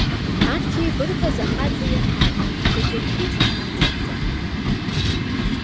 Арҭ еибырҳәоз ахаҵа иаҳаит, дагьархәыцит аҵанӡа.